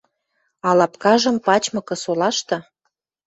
А лапкажым пачмыкы солашты